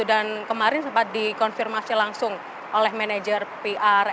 dan kemarin sempat dikonfirmasi langsung oleh manajer pr lrt jabodetabek bahwa ini masih